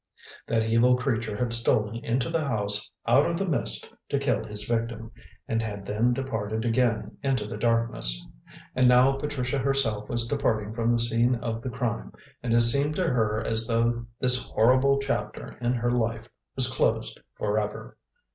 That evil creature had stolen into the house out of the mist to kill his victim, and had then departed again into the darkness. And now Patricia herself was departing from the scene of the crime, and it seemed to her as though this horrible chapter in her life was closed for ever.